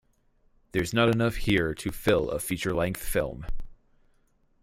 There's not enough here to fill a feature-length film.